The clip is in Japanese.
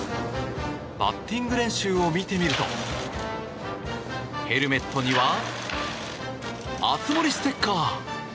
バッティング練習を見てみるとヘルメットには熱盛ステッカー。